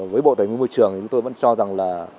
với bộ tài nguyên môi trường chúng tôi vẫn cho rằng